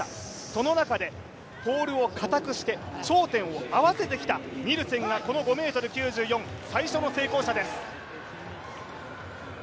その中でポールをかたくして、頂点を合わせてきた、ニルセンがこの５ｍ９４、最初の成功者です。